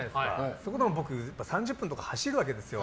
そこでも僕、３０分とか走るわけですよ。